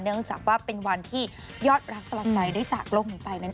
เนื่องจากว่าเป็นวันที่ยอดรักสลัดใจได้จากโลกนี้ไปนั่นเอง